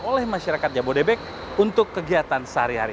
oleh masyarakat jabodebek untuk kegiatan sehari hari